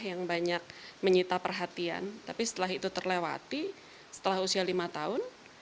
yang banyak menyita perhatian tapi setelah itu terlewati setelah usia lima tahun